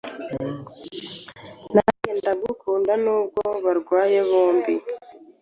Nanjye ndagukunda.” Nubwo barwaye, bombi